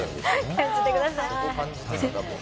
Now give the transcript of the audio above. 感じてください。